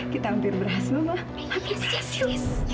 kita hampir berhasil